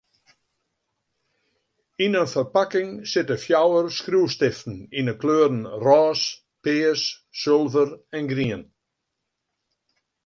Yn in ferpakking sitte fjouwer skriuwstiften yn 'e kleuren rôs, pears, sulver en grien.